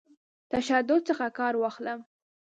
تشدد څخه کار واخلم.